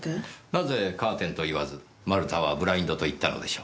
なぜカーテンと言わず丸田はブラインドと言ったのでしょう。